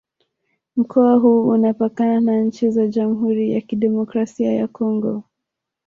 Mkoa huu unapakana na nchi za Jamhuri ya Kidemokrasi ya Kongo